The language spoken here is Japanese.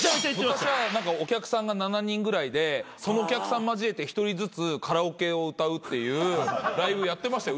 昔はお客さんが７人ぐらいでそのお客さん交えて１人ずつカラオケを歌うっていうライブやってましたよ。